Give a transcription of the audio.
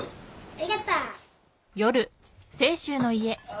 ありがとう。